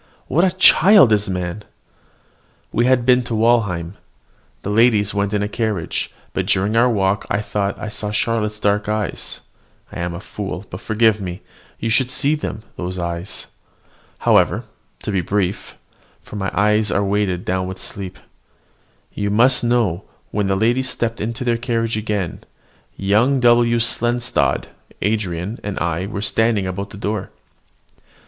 What a child is man! We had been to Walheim: the ladies went in a carriage; but during our walk I thought I saw in Charlotte's dark eyes I am a fool but forgive me! you should see them, those eyes. However, to be brief (for my own eyes are weighed down with sleep), you must know, when the ladies stepped into their carriage again, young W. Seldstadt, Andran, and I were standing about the door.